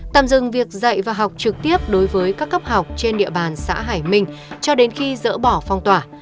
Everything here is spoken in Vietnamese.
tạm dừng việc dạy và học trực tiếp đối với các cấp học trên địa bàn xã hải minh cho đến khi dỡ bỏ phong tỏa